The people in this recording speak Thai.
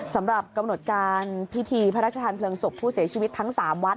สำหรับกำหนดการพิธีพระราชทานเพลิงศพผู้เสียชีวิตทั้ง๓วัด